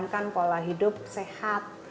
menjalankan pola hidup sehat